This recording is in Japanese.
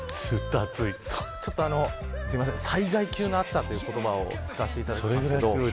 災害級の暑さという言葉を使わせていただきます。